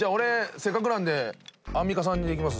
せっかくなんでアンミカさんでいきます。